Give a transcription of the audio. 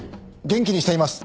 元気にしています！